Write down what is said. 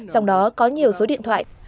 trong đó có nhiều số điện thoại